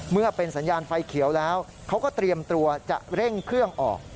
เมื่อเป็นสัญญาณไฟเขียวแล้วเขาก็เตรียมตัวจะเร่งเครื่องออก